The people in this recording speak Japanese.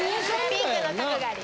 ピンクの角刈り。